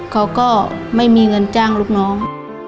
เขาก็ไม่มีเงินจ้างลูกน้อง